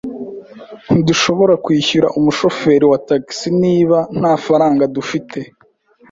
Ntidushobora kwishyura umushoferi wa tagisi niba nta faranga dufite.